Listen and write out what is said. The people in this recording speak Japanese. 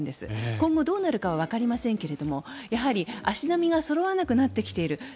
今後どうなるかはわかりませんがやはり、足並みがそろわなくなってきている